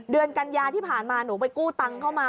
เดือนกัญญาที่ผ่านมาหนูไปกู้ตังค์เข้ามา